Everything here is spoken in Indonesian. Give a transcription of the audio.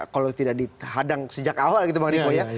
kalau tidak dihadang sejak awal gitu bang riko ya